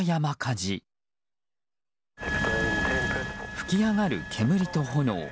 噴き上がる煙と炎。